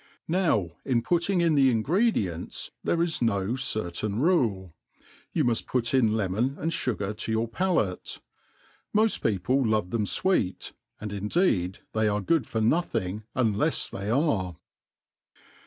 Now in putting in the ingredients there is no certain rule. You muft put in lemon, and fugar to your ^palate,' ]^Jofl people love them fweet; and indeed they are good for nothing unlefs they are.